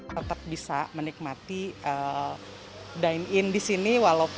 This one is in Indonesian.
tetap bisa menikmati dine in di sini